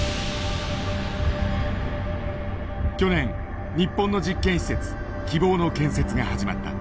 去年日本の実験施設きぼうの建設が始まった。